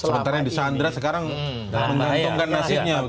sebentar yang di sandra sekarang menggantungkan nasibnya